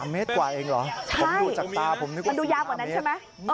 ๓เมตรกว่าเองเหรอมันดูยากกว่านั้นใช่ไหม